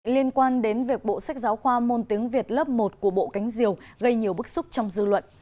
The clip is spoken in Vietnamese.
liên quan đến việc bộ sách giáo khoa môn tiếng việt lớp một của bộ cánh diều gây nhiều bức xúc trong dư luận